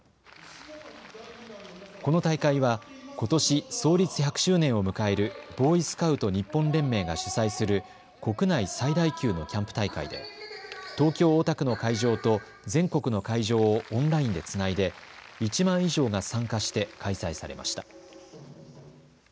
この大会はことし創立１００周年を迎えるボーイスカウト日本連盟が主催する国内最大級のキャンプ大会で東京大田区の会場と全国の会場をオンラインでつないで１万以上が参加して開催されました。